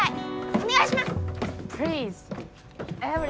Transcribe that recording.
お願いします！